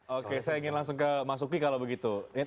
oke saya ingin langsung ke masuki kalau begitu